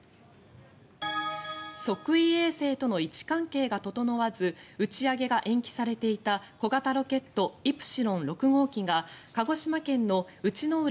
測位衛星との位置関係が整わず打ち上げが延期されていた小型ロケットイプシロン６号機が鹿児島県の内之浦